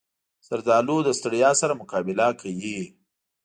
زردالو له ستړیا سره مقابله کوي.